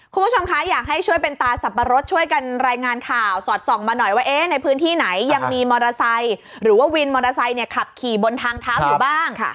คุณผู้ชมคะอยากให้ช่วยเป็นตาสับปะรดช่วยกันรายงานข่าวสอดส่องมาหน่อยว่าในพื้นที่ไหนยังมีมอเตอร์ไซค์หรือว่าวินมอเตอร์ไซค์ขับขี่บนทางเท้าอยู่บ้าง